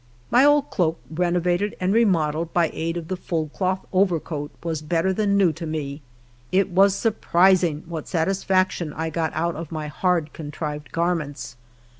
My old cloak, renovated and remodelled by aid of the fulled cloth overcoat, was better than new to me ; it was surprising what satisfaction I ggt out of my hard contrived garments!